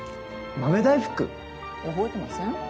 豆大福？覚えてません？